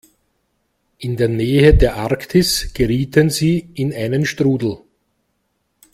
In der Nähe der Arktis gerieten sie in einen Strudel.